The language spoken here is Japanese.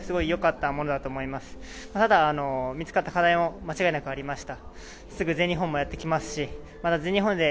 ただ、見つかった課題も間違いなくありました。